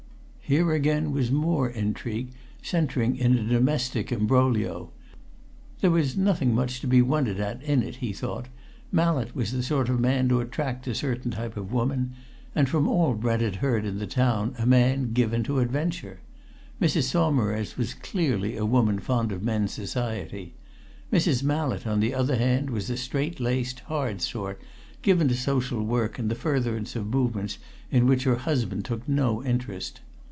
Here again was more intrigue centring in a domestic imbroglio. There was nothing much to be wondered at in it, he thought; Mallett was the sort of man to attract a certain type of woman, and, from all Brent had heard in the town, a man given to adventure; Mrs. Saumarez was clearly a woman fond of men's society; Mrs. Mallett, on the other hand, was a strait laced, hard sort, given to social work and the furtherance of movements in which her husband took no interest.